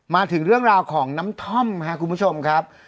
มาถึงเรื่องราวของน้ำท่อมครับคุณผู้ชมครับ